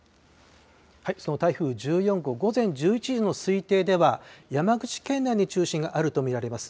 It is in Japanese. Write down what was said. その台風１４号、午前１１時の推定では、山口県内に中心があると見られます。